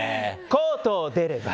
コートを出れば。